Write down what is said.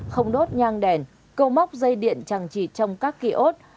không đốt nhang đèn câu móc dây điện trang trị trong các kỳ ốt